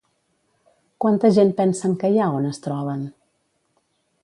Quanta gent pensen que hi ha on es troben?